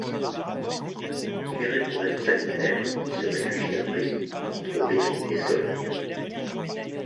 Libéré pour raisons sanitaires, il se réfugie à Presly, entre Berry et Sologne.